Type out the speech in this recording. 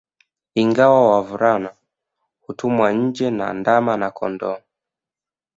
Ingawa wavulana hutumwa nje na ndama na kondooo